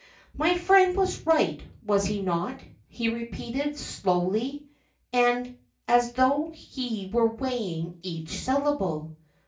"My friend was right, was he not?" he repeated, slowly, and as though he were weighing each syllable.